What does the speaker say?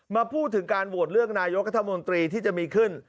มาพูดถึงการโหวตเลือกนายกรัฐมนตรีที่จะมีขึ้น